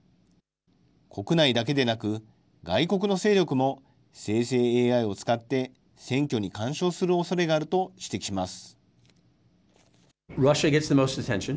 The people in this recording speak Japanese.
国内だけでなく、外国の勢力も生成ＡＩを使って、選挙に干渉するおそれがあると指摘します。